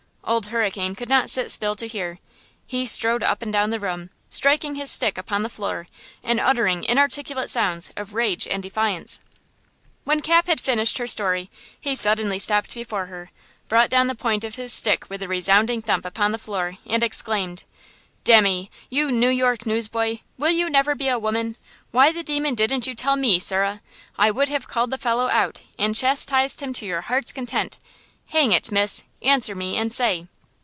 Old Hurricane could not sit still to hear. He strode up and down the room, striking his stick upon the floor, and uttering inarticulate sounds of rage and defiance. When Cap had finished her story he suddenly stopped before her, brought down the point of his stick with a resounding thump upon the floor and exclaimed: "Demmy, you New York newsboy! Will you never be a woman? Why the demon didn't you tell me, sirrah? I would have called the fellow out and chastised him to your heart's content! Hang it, miss, answer me and say!"